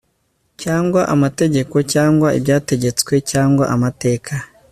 cyangwa amategeko cyangwa ibyategetswe cyangwa amateka